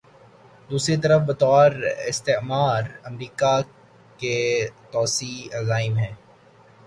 دوسری طرف بطور استعمار، امریکہ کے توسیعی عزائم ہیں۔